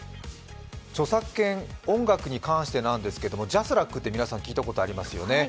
著作権音楽に関してなんですけれどもＪＡＳＲＡＣって皆さん聞いたことありますよね。